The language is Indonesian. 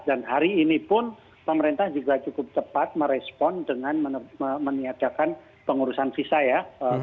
dan hari ini pun pemerintah juga cukup cepat merespon dengan meniatakan pengurusan visa